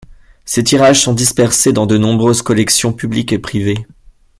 Ses tirages sont dispersés dans de nombreuses collections publiques et privées.